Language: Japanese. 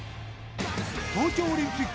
東京オリンピック